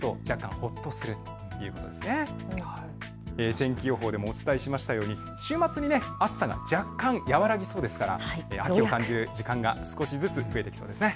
天気予報でもお伝えしましたように週末に暑さが若干、和らぎそうですから秋を感じる時間が少しずつ増えてきそうですね。